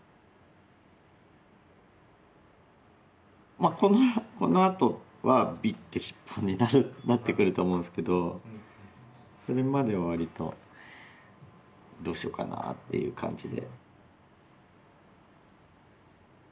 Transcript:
まあこのあとはビッて１本になってくると思うんですけどそれまでわりとどうしようかなっていう感じで。